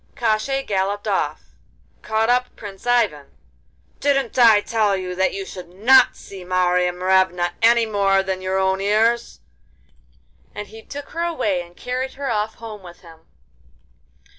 Koshchei galloped off, caught up Prince Ivan: 'Didn't I tell you that you should not see Marya Morevna any more than your own ears?' And he took her away and carried her off home with him.